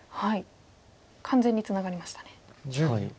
完全にツナがりましたね。